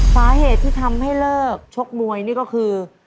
สาเหตุที่ทำให้เลิกชกมวยนี่ก็คือ